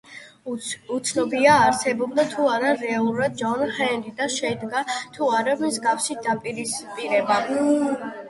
უცნობია, არსებობდა თუ არა რეალურად ჯონ ჰენრი და შედგა თუ არა მსგავსი დაპირისპირება.